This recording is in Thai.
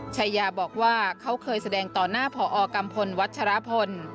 ชายาบอกว่าเขาเคยแสดงต่อหน้าผอกัมพลวัชรพล